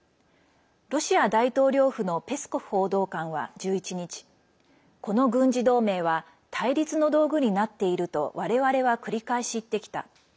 ロシア大統領府のペスコフ報道官は１１日この軍事同盟は対立の道具になっているとわれわれは繰り返し言ってきた。